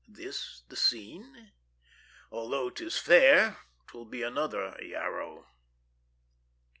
this the scene?" "Although 'tis fair, 'twill be another Yarrow."